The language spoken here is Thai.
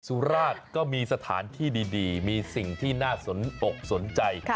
สุราชก็มีสถานที่ดีมีสิ่งที่น่าสนอกสนใจ